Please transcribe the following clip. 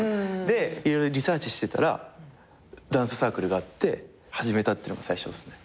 色々リサーチしてたらダンスサークルがあって始めたっていうのが最初っすね。